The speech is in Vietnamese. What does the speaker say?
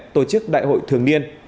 tổ chức đại hội thường niên